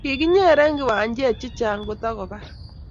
Kikinyeren kjwanyik che chang koto kebar